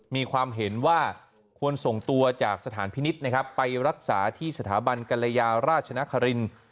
มีความเห็นว่าควรส่งตัวจากสถานพินิษฐ์นะครับไปรักษาที่สถาบันกรยาราชนครินทร์